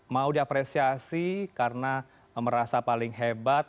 mau diapresiasi karena merasa paling hebat